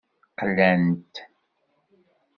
Qlan-t.